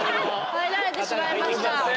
入られてしまいました。